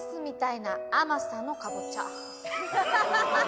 ハハハハ！